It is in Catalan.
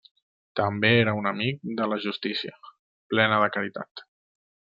També era un amic de la justícia, plena de caritat.